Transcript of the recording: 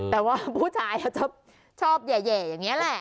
แต่ว่าผู้ชายเขาชอบเย่อย่างนี้แหละ